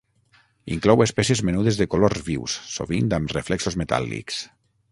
Inclou espècies menudes de colors vius, sovint amb reflexos metàl·lics.